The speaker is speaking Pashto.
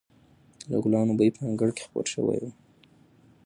د ګلانو بوی په انګړ کې خپور شوی و.